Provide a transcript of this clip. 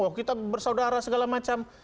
wah kita bersaudara segala macam